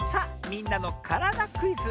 「みんなのからだクイズ」！